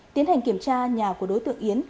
tiến hành kiểm tra nhà của đối tượng yến